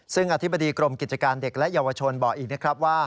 ซึ่งอธิบดีกรมกิจการเด็กและเยาวชนบอกอีกนะครับว่า